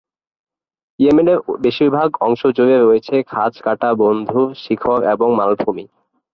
ইয়েমেনের বেশিরভাগ অংশ জুড়ে রয়েছে খাঁজ কাটা বন্ধুর শিখর এবং মালভূমি।